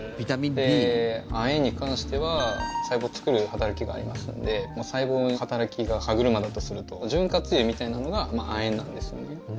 亜鉛に関しては細胞を作る働きがありますので細胞の働きが歯車だとすると潤滑油みたいなのが亜鉛なんですね。